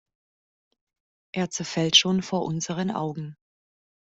Er zerfällt schon vor unseren Augen.